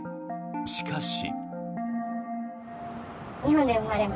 しかし。